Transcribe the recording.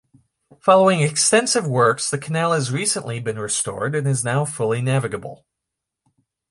Following extensive works the canal has recently been restored and is now fully navigable.